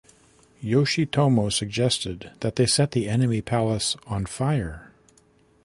Yoshitomo suggested that they set the enemy palace on fire.